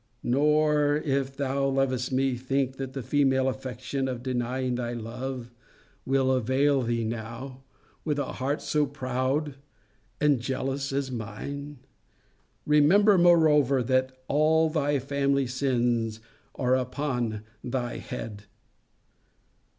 Nor, if thou lovest me, think, that the female affectation of denying thy love, will avail thee now, with a heart so proud and so jealous as mine? Remember, moreover, that all thy family sins are upon thy head